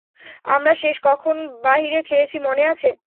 আমরা শেষ কখন বাহিরে খেয়েছি মনে আছে?